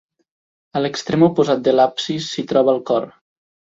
A l'extrem oposat de l'absis s'hi troba el cor.